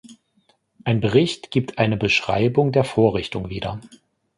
Ein Bericht gibt eine Beschreibung der Vorrichtung wieder.